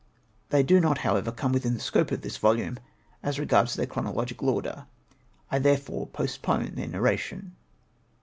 They do not however, come within the scope of this volume, as regards thefr chronological order, I therefore post pone then nairation.